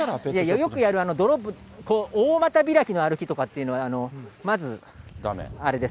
よくやる、大股開きの歩きとかっていうのは、まずあれです。